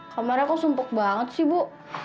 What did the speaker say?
kamera kok sumpuk banget sih bu